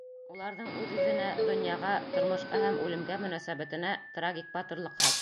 Уларҙың үҙ-үҙенә, донъяға, тормошҡа һәм үлемгә мөнәсәбәтенә трагик батырлыҡ хас.